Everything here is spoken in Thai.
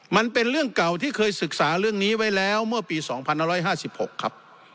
มันเป็นเรื่องเก่าที่เคยศึกษาเรื่องนี้ไว้แล้วเมื่อปี๒๕๕๖ครับ